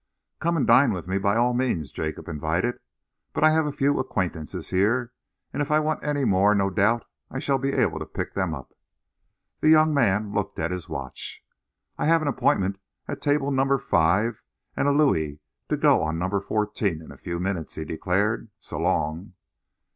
"Come and dine with me, by all means," Jacob invited, "but I have a few acquaintances here, and if I want any more no doubt I shall be able to pick them up." The young man looked at his watch. "I have an appointment at table number five and a louis to go on number fourteen, in a few minutes," he declared. "So long."